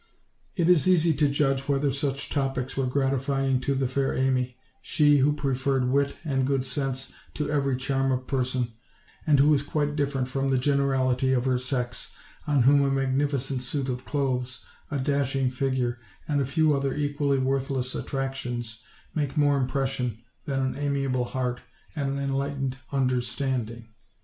It is easy to judge whether such topics were gratifying to the fair Amy she who preferred wit and good sense to every charm of person, and who was quite different from the generality of her sex, on whom a magnificent suit of clothes, a dashing figure, and a few other equally worthless attractions, make more impression than an amiable heart and an enlightened understanding.